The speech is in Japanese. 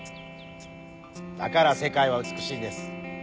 だから世界は美しいんです。